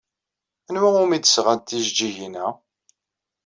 Anwa umi d-sɣant tijeǧǧigin-a?